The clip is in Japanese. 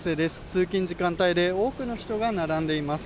通勤時間帯で、多くの人が並んでいます。